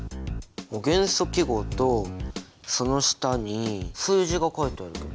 元素記号とその下に数字が書いてあるけど。